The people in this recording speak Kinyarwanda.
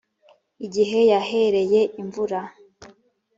igihe yahereye imvura